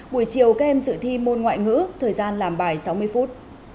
buổi chiều các em dự thi môn ngoại ngữ thời gian làm bài sáu mươi phút